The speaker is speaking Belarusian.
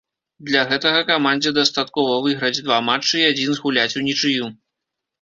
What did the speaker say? Для гэтага камандзе дастаткова выйграць два матчы і адзін згуляць унічыю.